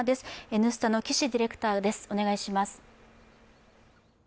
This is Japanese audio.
「Ｎスタ」の岸ディレクターです、お願いします。